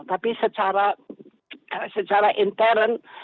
tapi secara intern